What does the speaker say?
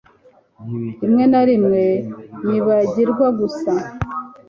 rimwe na rimwe nibagirwa gusa